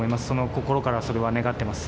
心からそれは願ってます。